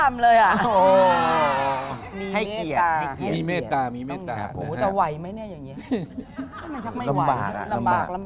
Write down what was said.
มีเมตตา